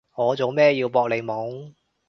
我做咩要搏你懵？